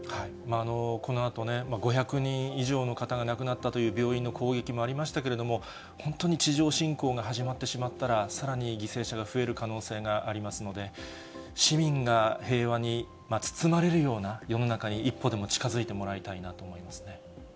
このあとね、５００人以上の方が亡くなったという病院の攻撃もありましたけれども、本当に地上侵攻が始まってしまったら、さらに犠牲者が増える可能性がありますので、市民が平和に包まれるような世の中に、一歩でも近づいてもらいたいなと思いますね。